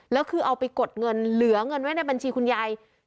แล้วคือเอาไปกดเงินเหลือเงินไว้ในบัญชีคุณยาย